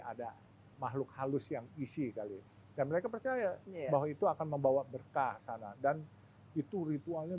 ada makhluk halus yang isi kali dan mereka percaya bahwa itu akan membawa berkah sana dan itu ritualnya